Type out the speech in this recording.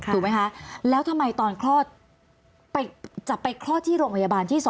ถูกไหมคะแล้วทำไมตอนคลอดจะไปคลอดที่โรงพยาบาลที่๒